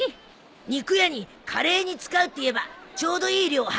肉屋にカレーに使うって言えばちょうどいい量量ってくれるぞ。